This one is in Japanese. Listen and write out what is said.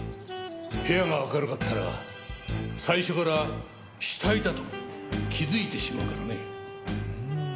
部屋が明るかったら最初から死体だと気づいてしまうからね。